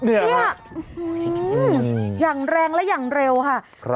เนี่ยฮืออย่างแรงและอย่างเร็วค่ะค่ะ